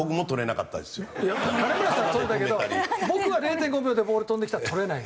いや金村さん捕れたけど僕は０．５秒でボール飛んできたら捕れないです。